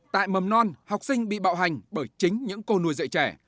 tại mầm non học sinh bị bạo hành bởi chính những cô nuôi dạy trẻ